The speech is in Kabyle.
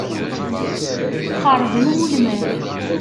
Xeṛben wulman.